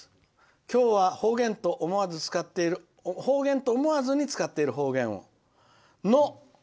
今日は方言と思わずに使っている方言を。